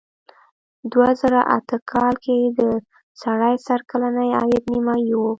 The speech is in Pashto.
دوه زره اته کال کې د سړي سر کلنی عاید نیمايي و.